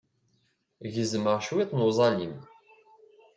Gezmeɣ cwiṭ n uẓalim.